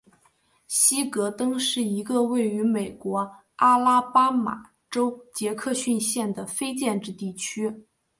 希格登是一个位于美国阿拉巴马州杰克逊县的非建制地区。